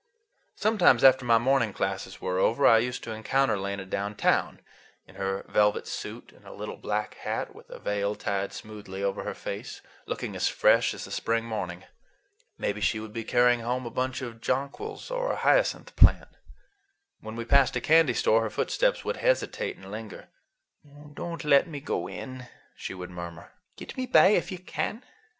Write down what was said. Sometimes after my morning classes were over, I used to encounter Lena downtown, in her velvet suit and a little black hat, with a veil tied smoothly over her face, looking as fresh as the spring morning. Maybe she would be carrying home a bunch of jonquils or a hyacinth plant. When we passed a candy store her footsteps would hesitate and linger. "Don't let me go in," she would murmur. "Get me by if you can."